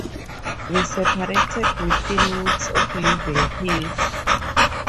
We separated within weeks of leaving Hills.